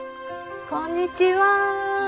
こんにちは！